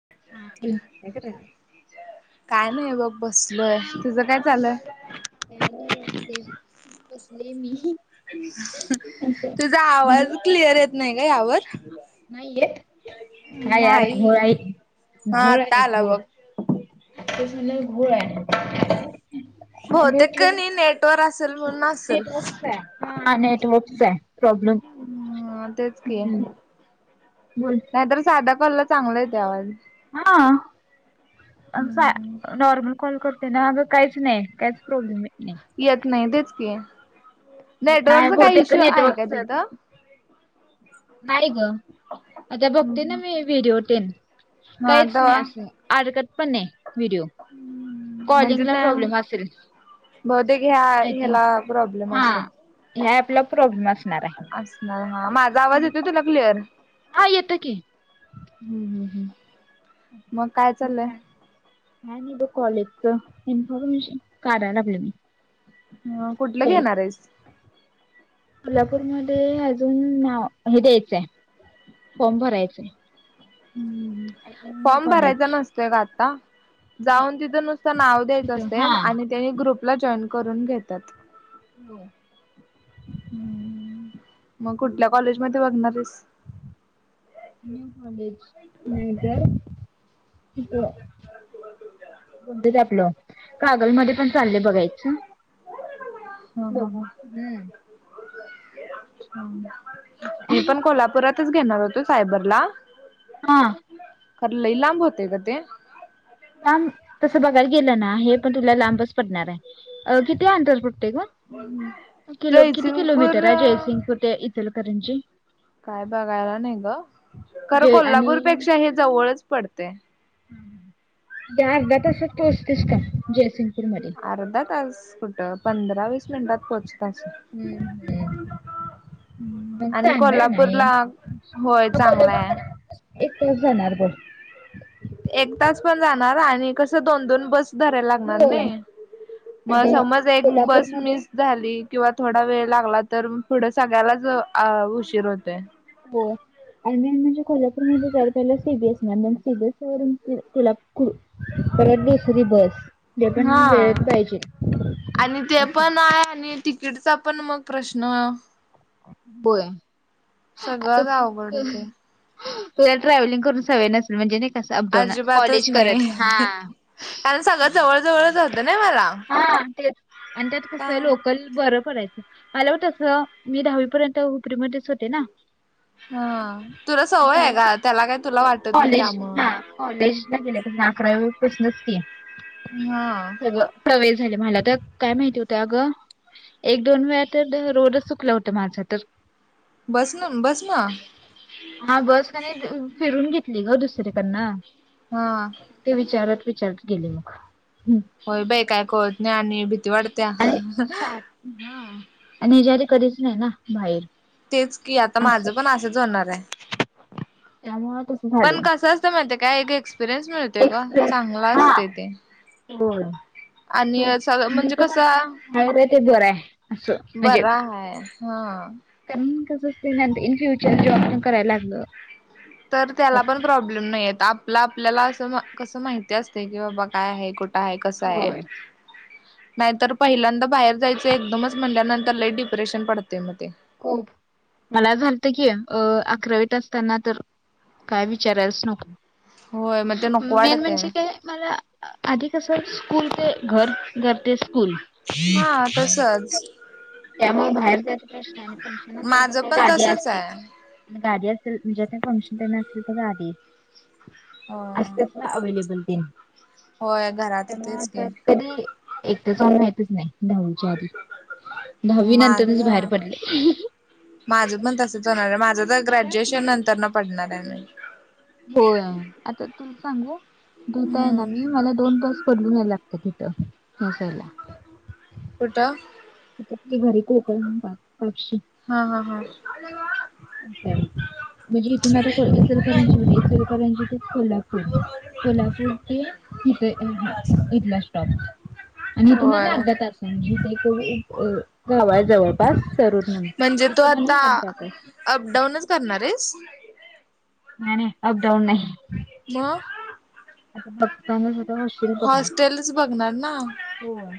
हा. आणि हे बघ बसलोय. तुझं काय चालय ले बसले मी. तुझा आवाज क्लिअर येत नाही का यावर. काय नाही आताला बघ. तुम्ही घोळ आहे आणि बहुतेक कणी नेटवर असेल म्हणून असेल नेटवर्क्स आहे नेटवर्क्स आहे.. प्रॉब्लेम हम् तेच कि बोल नाहीतर साधा... कल्ला चांगलं आहे त्या आवाज... हा हम्म नॉर्मल कॉल करतो.. त्यांना अगं काहीच नाही काहीच प्रॉब्लेम आहे.. येत नाही तेच की.. नाही नेटवर्कचा काही बहुतेक इशू आहे का नेटवर्कचच तिथं.. नाही ग आता बघते ना हम्म मी व्हिडओ तेन.. हा काहीच नाही तवा अस हारकत पण नाही व्हिडिओ.. म्हणजे कॉलिंगला ना प्रॉब्लेम असेल.... बहुतेक ह्या आय थिंक ह्याला प्रॉब्लेम हा असेल. ह्या अपला प्रॉब्लेम असणार आहे.. असणार माझा आवाज येतो तुला क्लिअर... हा येतं की मग काय म चाललंय का का नाही ब कॉलेजच.. इन्फॉर्मेशन काढायला लागलं मी.. अ कुठलं घेणार आहेस... कोल्हापूरमध्ये अजून हे द्यायचंय... फॉर्म भरायचं... हम्म फॉर्म भरायचा नसतोय का आता... नाही जाऊन तिथं नुसतं नाव द्यायचं तिथं असते हा आणि त्यानी ग्रुपला जॉईन करून घेतात... हो.. हम्म मग कुठल्या कॉलेज मध्ये बघणार आहे. न्यू हो.. आपलं कागल मध्ये पण चाललंय बघायचं.. ओ... बघु हम्म.. मी पण कोल्हापुरातच घेणार होतो सायबर ला.. हा... खर लई लांब होते का ते... लांब तसं बघायला गेलं ना हे पण तुला लांबच पडणार आहे.. अ किती अंतर पडतं ग किती जयसिंगपूर किलोमीटर आहे जयसिंगपूर ते इचलकरंजी... इचलकरंजी... काय बघायला नाही ग खरं म्हणजे आणि कोल्हापूर पेक्षा हे जवळच पडते.. अर्धा तसच पोहोचतेस काय? अर्धा तास कुठं पंधरा वीस मिनिटात पोहोचत.. अस हम्म हम्म मग आणि चांगल आहे कोल्हापूरला होय चांगला ना... आहे एक तास जाणार बघ... एक तास पण जाणार आणि कस दोन दोन बस... धरायला लागणार होय नाही मग आता समज एक बस कोल्हापूरमध्ये मिस झाली... किंवा थोडा वेळ लागला तर पुढं सगळ्यालाच उशीर होतोय. बर.. आणि मी म्हणजे कोल्हापूरमध्ये जर पहिली सीबीएस म सीबीएस वून कोल्हापूर.. परत दुसरी बस ते पण हा वेळेत पाहिजे. आणि ते असं. पण आहे आणि तिकीटचा पण मग प्रश्न... होय... आता सगळं अवघड ते... तुला ट्रॅव्हलिंग करून सवय नसेल म्हणजे... स अप डाउन अजिबातच कॉलेज करत नाही हा... कारण सगळं जवळ जवळच होतं ना मला हा ते आणि त्यात कसं लोकल बरं पडयचं.. मला वाटत अस मी दहावी पर्यंत हुपरी मध्येच होते ना, हा तुला सवय आहे का त्याला काही तुला वाटत नाही कॉलेज हा त्यामुळं कॉलेजला, अकरा वी पासून च की हा वेळ झाला मला तर काय माहिती होत अगं एक दोन वेळा तर रोड चूकलं होतं माझं तर बस ना बस ना हा बस क फिरून घेत. ग दुसर्याकडन हा ते विचारत विचारत गेले मग हम्म. होय बाई काय कळत नाही आणि भीती वाढत्या. आणि स्टार्ट हा आणि हे हिचा आदी कधीच नाही ना बाहेर तेच की आता असं माझं पण असंच होणार आहे. त्यामुळे तसं पण झालं कसं असत माहिती आहे काय एक एक्सपिरियन्स मिळतय का चांगला असते ते, हो, आणि सगळ म्हणजे कसं ते बरं आहे अस म्हणजे हाय हा इन फ्युचर जे आपण करायला लागलो. तर त्याला पण प्रॉब्लेम नाही आहेत. आपला आपल्याला असं कसं माहिती असते कि बाबा काय आहे कुठं आहे कस आहे. होय नाहीतर पहिल्यांदा बाहेर जायचं एकदमच म्हणल्यानंतर लई डिप्रेशन पडतंय मध्ये खूप मला जालतकि अकरावीत असताना तर काय विचारायलाच नको. होय म मेन म्हणजे काय मला आधी कस स्कूल ते घर घर ते स्कूल हा तसच त्यामुळ बाहेर जायच प्रश्न आणि फंक्शन असेल माझ तर काय पण गादि तसच असत्याच आहे आणि गादी असेल म्हणजे आता फंक्शन तेन असेल तर गादी. हो असत्यात ना अवलेबल तेनी होय घरात त्यामुळ तेच अस की कदी एकट जाउन माहतीच नाही दहावीच्या आदी माज माज पण तसच होणाराय आता ग्रॅज्युएशन नंतरन पडणाराय मी दथाय ना हम्म मी मला दोन बस बदलून यायलागततत इथ [inaudible] ह्यासाईडला कुट घरी घरी कोक [inaudible] हा हा हा असाय. म्हणजे इतुन आता कोल इचलकरंजीहुन इचलकरंजीतुन कोलापूर कोलापूर ते इथे हा इतला स्टॉप आणि इथून आणि होय अरदा तासाये म्हणजे इथ एक गावय जवळपास सरूट म्हणुन तितुन आणि आरदा तास अप डाऊनच करणाराइस नाई नई अप डाऊन नाही. म आता बगताना वशिर बगणार हॉस्टेलच बघणार ना होय.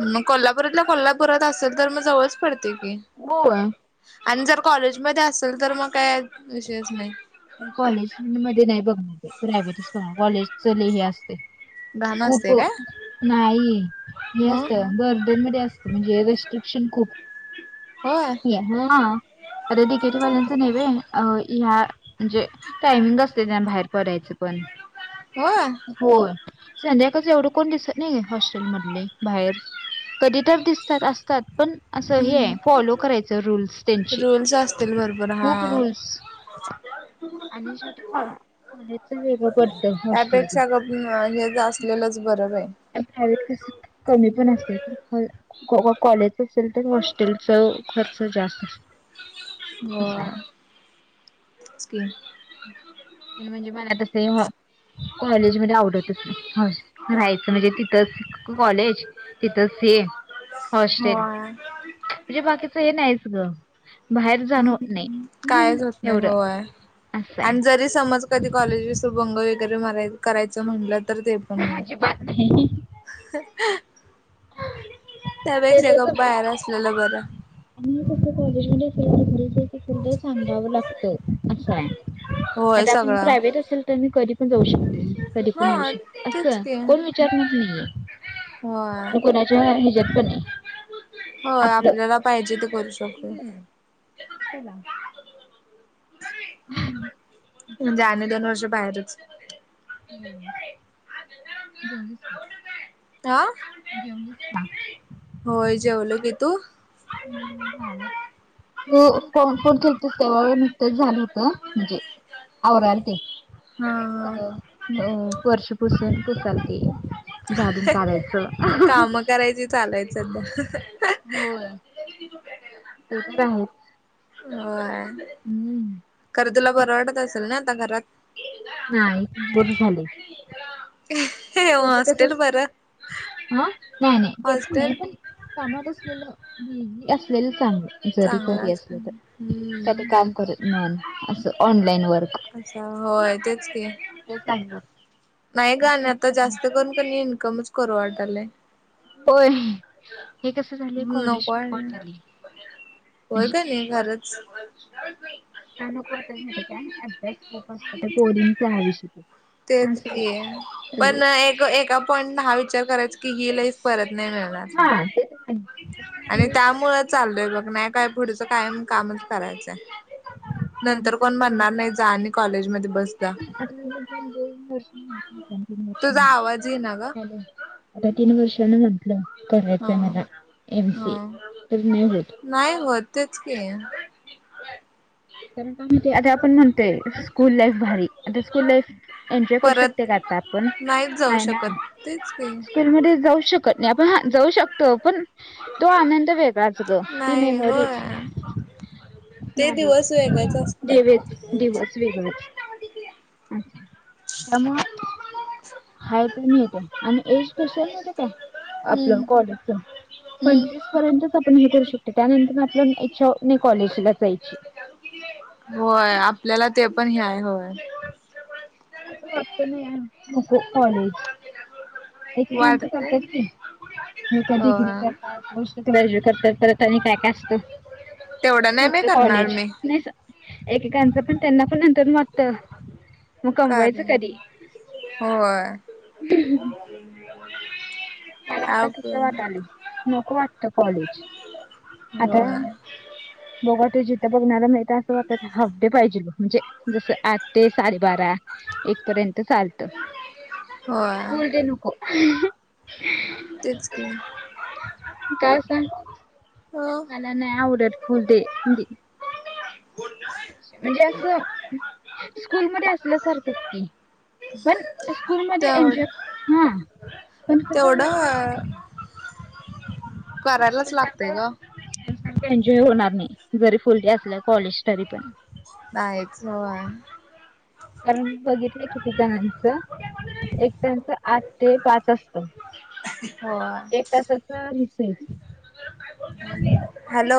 मग कोल्लापुरातल्या कोल्लापुरात असेल तर म जवळच पडत. की होय आण जर कॉलेज मदे असेल तर म काय विषयच नाही कॉलेजमदे नइ बघणार बई प्रायवेटच बगनार कॉलेजच लई हे असतय घाण खूप असते काय नाई हे मग असतय बर्डनमध्ये असतंय म्हणजे शन खूप होय हा आता डीकेटी वाल्यांचं नेइ वय ह्या म्हणजे टायमिंग असतय तेन बाहेर पडयचं पण होय होय संध्याकाळच एवढं कोण दिसत नइ हॉस्टेल मडले बाहेर कधी तर दिसतात असतात पण असं हे हम्म फॉलो करायचं रूल्स तेंची. रूल्स असतील भरपूर खूप हा. रूल् [inaudible] कॉलेजच वेगळं पडतं हॉस्टेलच त्यापेक्षा गप म हेच असलेलंच बर. [unintelligible] ते पण असत्यात. होय काॅ काॅ कॉलेजचं असेल तर हॉस्टेलचं खर्च जास्त असतंय. होय, च की. मेन म्हणजे मला तसे हाॅ कॉलेज मदे आवडतच नाइ. होय, राहायचं म्हणजे तिथंच क क कॉलेज तिथंच ते हॉस्टेल. होय म्हजे बाकीचं हे न्हाईच गं. हम्म कायच हम्म होत नइ एवढं होय. असं आण आहे जरी समज कदी कॉलेज विस बंग वगैरे माराय करायचं म्हणलं तर ते पण नइ. अजिबात नाही [inaudible] ते त्यापेक्षा तर गप जमणार बाहेर असलेलं बरं. आणि फक्त कॉलेजमदे असं [unintelligible] हुंदे सांगावं लागतं असाय. होय आता आपण सगळं प्रायवेट असेल तन कदी ण जाऊ शकते, कदी पण येऊ हा शकते, तेच असं की कोण विचाणार नइये. होय. म कोणाच्या हेज्यात पण नइ. होय आपल्याला पाइजे ते करू शकतोय. हम्म. चला मणजे आणि दोन वर्ष बाहेरच. होय. जेवलीस का? हां? जेवलीस का होय जेवलो की. तू? हम् झालं. त फ फोन केलतीस तवा नकतं झालं होत म्जे आवरालते. हा हा. अ वर्षपसून पुसालते. झाडून काढायचं. काम करायची चालू आहेत सध्या. होय. ते तर आहेच. व्हय. हम्म. खर्तूला बर वाटत असेल ना आता घरात. नाही बरं झालय. शेवटी कसं हॉस्टेल असतय, बरं आं नाही नाही ते पण नाही हॉस्टेल पण. कामात असलेलं. असलेलं चांगलं जरी चांगलं घरी असत असलं त. सते हम्म काम करे मन असं. Online work. अच्छा होय तेचकी. ते चांगलं नाही गं आणि हे आता पण आहे. जास्त करून कनी इन्कमच करु वाटालंय. होय. हे कसं झालंय कॉलेज नको आय. पट आली व्हय म्हणजे कनी खरच. का नको वाटय म्हइते काय अभ्यास खूप असतं पोरींचं हाविष्यक. तेच की, पण एक एका पॉइंटन हा विचार करायचा की ही लाईफ परत नाही मिळणार. हा ते तर आहे आणि आता त्यामुळं चाललय बघ. नाही काय पुढचं कायम कामच करायचंय. काम नंतर तर कोण म्हणणार नाही करायचं जा आणि कॉलेज [unintelligible] तुझा आवाज ये ना ग [unintelligible] हॅलो आता तीन वर्षानं आण करायचं हा आय मला एम सी हा ए तर नाही होत. तेचकी. का म्हणते आता आपण म्हणतोय स्कूल लाईफ भारी आता स्कूल लाईफ एन्जॉय करू शकते परत का आता आपण नाहीच जाऊ नाही ना शकत की स्कूलमध्ये जाऊ शकत नाही आपण जाऊ शकतो पण तो आनंद वेगळा ग ती नाही मेमोरी होय ते बारीच दिवस वेगळेच असतात. देवेच दिवस वेगळंच अच्छ ज्हा हाय ते मिळते आणि एज कशा मिळते काय आपलं हम्म कॉलेज हम्म. पंचवीस पर्यंत पण हे करू शकत त्यानंतर आपल्या इच्छा नाही कॉलेजला जायची होय आपल्याला ते पण हय होय असं वाटत ना या नको कॉलेज एक काम तर वाटतय. करतात की ल का हो डिग्री करतात पोस्ट ग्रॅज्युएट कर तर परत आणि काय काय असत पु तेवढं नाही बाई पुढचं करणार कॉलेज मी नाही एकेकांचं पण त्यांना पण नंतर मटत कारण होय मला आता आप कस वाट आलं नको वाटत कॉलेज आता बघा त जिथं बघण्याला मिळता अस हफडे पाहिजे म्हणजे जस आठ ते साडेबारा एक पर्यंत चालत होय बोलते नको तेच का काय स मला नाही आवडेत फुल ते म्हणजे अस स्कूल म असल्यासारखंच की पण स्कूल मध्ये एनजॉय तेवढं हा पण कस ह न तेवढं त करायलाच स्कूल लागतय सारखं ग स्कूल सारखं होणार नाही जरी फुल डे अस कॉलेज तरी पण नाही एकच कारण बघितलं किती जणांचं एक त्यांच आ ते पाच असत होय एक तासाच रिसल हॅलो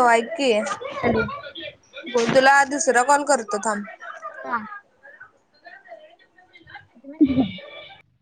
हॅलो बोल तुला दुसरा कॉल करतो थांब हा क